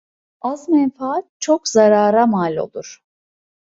Az menfaat çok zarara mal olur.